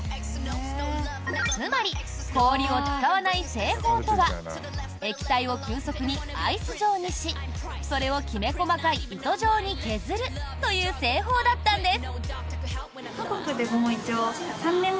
つまり、氷を使わない製法とは液体を急速にアイス状にしそれをきめ細かい糸状に削るという製法だったんです。